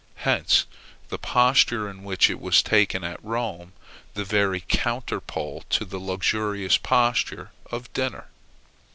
Hence the posture in which it was taken at Rome, the very counter pole to the luxurious posture of dinner.